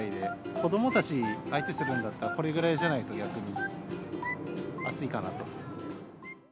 子どもたち相手するんだったら、これぐらいじゃないと逆に、暑いかなと。